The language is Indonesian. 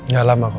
gak lama kok